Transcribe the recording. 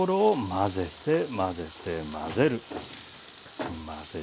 混ぜて混ぜて混ぜる。